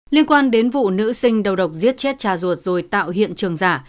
liên quan đến vụ nữ sinh đầu độc giết chết cha ruột rồi tạo hiện trường giả